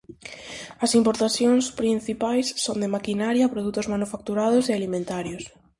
As importacións principais son de maquinaria, produtos manufacturados e alimentarios.